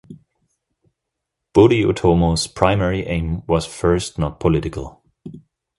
Budi Utomo's primary aim was first not political.